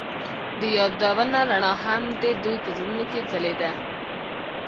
د یادونه رڼا هم د دوی په زړونو کې ځلېده.